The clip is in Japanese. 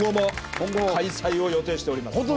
今後も開催を予定しております。